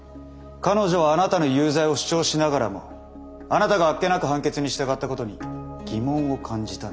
彼女はあなたの有罪を主張しながらもあなたがあっけなく判決に従ったことに疑問を感じたんでしょう。